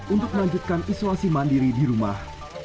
untuk melanjutkan isolasi mandiri di rumah